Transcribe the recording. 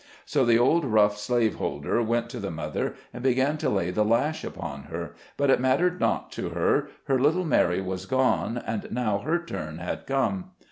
So the old rough slave holder went to the mother, and began to lay the lash upon her; but it mattered not to her — her little Mary was gone, and now her turn had come.